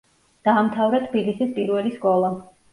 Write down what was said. დაამთავრა თბილისის პირველი სკოლა.